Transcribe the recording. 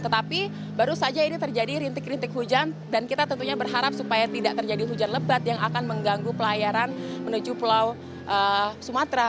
tetapi baru saja ini terjadi rintik rintik hujan dan kita tentunya berharap supaya tidak terjadi hujan lebat yang akan mengganggu pelayaran menuju pulau sumatera